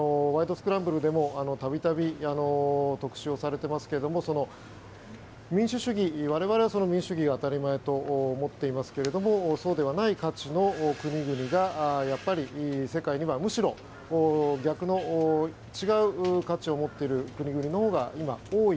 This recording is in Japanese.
スクランブル」でも度々特集をされていますが我々は民主主義が当たり前だと思っていますけれどそうではない各地の国々が世界にはむしろ逆の違う価値を持っている国々のほうが今、多い。